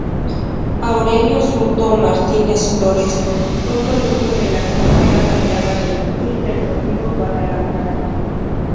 Aurelio "Zurdo" Martínez Flores, fue producto de la cantera rayada del Club Deportivo Guadalajara.